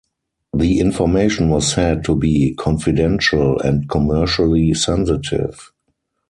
The information was said to be "confidential" and "commercially sensitive".